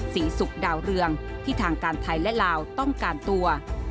ศรีศุกร์ดาวเรืองที่ทางการไทยและลาวต้องการตัว